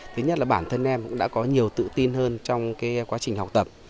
thứ nhất là bản thân em cũng đã có nhiều tự tin hơn trong quá trình học tập